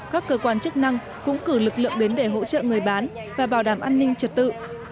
các cơ quan chức năng cũng cử lực lượng đến để hỗ trợ người bán và bảo đảm an ninh trật tự